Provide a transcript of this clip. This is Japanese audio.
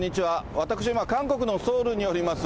私、今、韓国のソウルにおります。